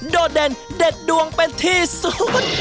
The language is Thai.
โดดเด่นเด็ดดวงเป็นที่สุด